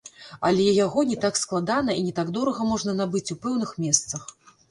Але яго не так складана і не так дорага можна набыць у пэўных месцах.